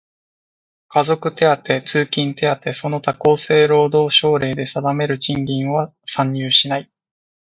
家族手当、通勤手当その他厚生労働省令で定める賃金は算入しない。